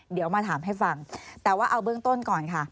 เดี๋ยวมาถามให้ฟังแต่ว่าเอาเบื้องต้นก่อนค่ะ